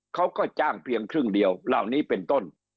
เขาก็จ้างเพียงครึ่งเดียวเหล่านี้เป็นต้น